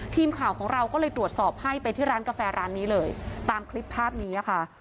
ทีมข่าวของเราก็เลยตรวจสอบให้ไปที่ร้านกาแฟร้านนี้เลยตามคลิปภาพนี้ค่ะ